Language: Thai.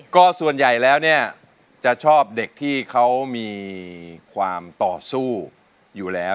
ก็ส่วนใหญ่แล้วเนี่ยจะชอบเด็กที่เขามีความต่อสู้อยู่แล้ว